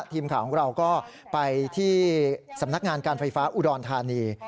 ทีมข่าวของเราก็ไปที่สำนักงานการไฟฟ้าอุดรธานี